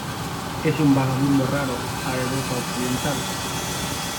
Es un vagabundo raro a Europa occidental.